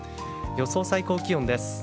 予想最高気温です。